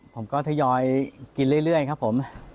ผมก็ทยอยกินเรื่อยครับผม